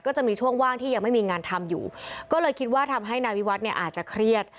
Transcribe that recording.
จะมีช่วงว่างที่ยังไม่มีงานทำอยู่ก็เลยคิดว่าทำให้นายวิวัฒน์เนี่ยอาจจะเครียด